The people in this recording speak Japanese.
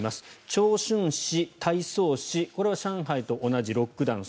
長春市、太倉市これは上海と同じロックダウン。